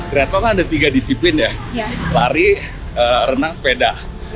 greatment kan ada tiga disiplin ya lari renang sepeda